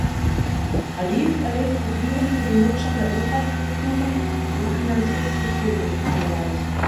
Adif erhebt Gebühren für die Nutzung der Infrastrukturen und finanziert sich hierdurch teilweise.